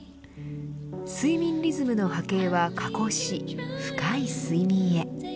睡眠リズムの波形は下降し深い睡眠へ。